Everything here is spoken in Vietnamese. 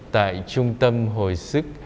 tại trung tâm hồi sức